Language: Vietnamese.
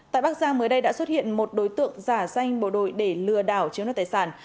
tại bắc giang mới đây đã xuất hiện một đối tượng giả danh bộ đội để lừa đảo chiếm đoạt tài sản